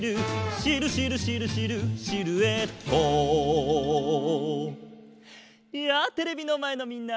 「シルシルシルシルシルエット」やあテレビのまえのみんな！